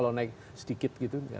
kalau naik sedikit gitu